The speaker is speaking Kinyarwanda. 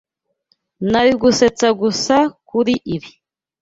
Nari gusetsa gusa kuri ibi.